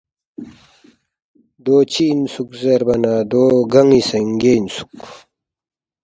دو چِہ اِنسُوک زیربا نہ دو گن٘ی سِنگے اِنسُوک